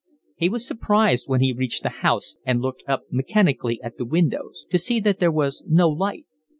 He was surprised, when he reached the house and looked up mechanically at the windows, to see that there was no light.